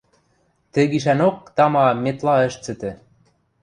Тӹ гишӓнок, тама, Метла ӹш цӹтӹ: